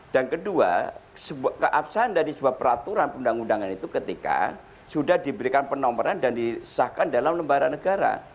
dan kedua keabsahan dari sebuah peraturan undang undangan itu ketika sudah diberikan penomoran dan disesahkan dalam lembaran negara